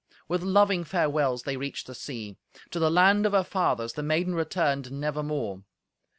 With loving farewells they reached the sea. To the land of her fathers the maiden returned nevermore.